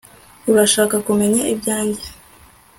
Urashaka kumenya ibyanjye